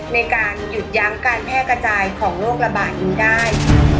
ในการหยุดยั้งการแพร่กระจายของโรคระบาดนี้ได้